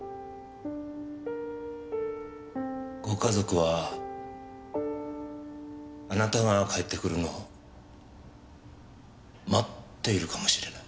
ご家族はあなたが帰ってくるのを待っているかもしれない。